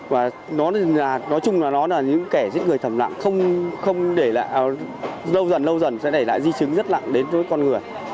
và nói chung là nó là những kẻ giết người thầm lặng không để lại lâu dần lâu dần sẽ để lại di chứng rất nặng đến với con người